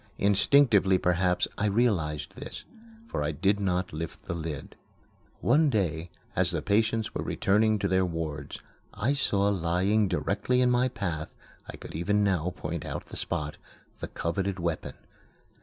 Instinctively, perhaps, I realized this, for I did not lift the lid. One day, as the patients were returning to their wards, I saw, lying directly in my path (I could even now point out the spot), the coveted weapon.